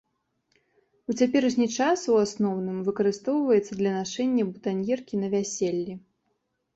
У цяперашні час, у асноўным, выкарыстоўваецца для нашэння бутаньеркі на вяселлі.